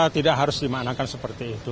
tidak harus dimaknakan seperti itu